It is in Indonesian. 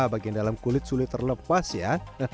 bagian dalam kulit sulit terlepas ya